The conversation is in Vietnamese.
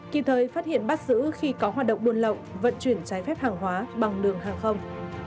kịp thời phát hiện bắt giữ khi có hoạt động buôn lậu vận chuyển trái phép hàng hóa bằng đường hàng không